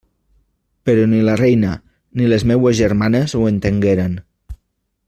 Però ni la reina ni les meues germanes ho entengueren.